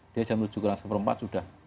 dia jam tujuh kurang empat belas sudah